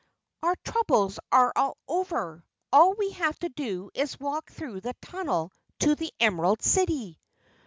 "Our troubles are all over. All we have to do is walk through the tunnel to the Emerald City!"